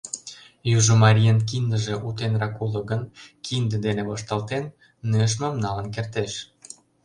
Южо марийын киндыже утенрак уло гын, кинде дене вашталтен, нӧшмым налын кертеш.